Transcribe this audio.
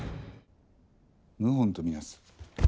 謀反と見なす。